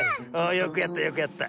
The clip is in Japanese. よくやったよくやった。